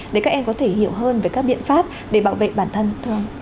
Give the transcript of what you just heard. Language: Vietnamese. để các em có thể hiểu hơn về các biện pháp để bảo vệ bản thân thơm